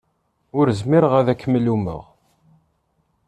Ur zmireɣ ad kem-lummeɣ.